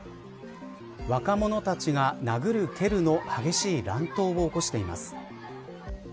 若者たちが殴る蹴るの激しい乱闘を起こしています。